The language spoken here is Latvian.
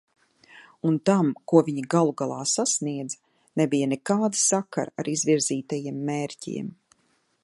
Un tam, ko viņi galu galā sasniedza, nebija nekāda sakara ar izvirzītajiem mērķiem.